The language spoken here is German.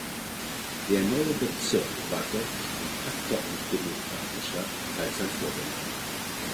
Der neue Bezirk war deutlich kompakter und demokratischer als sein Vorgänger.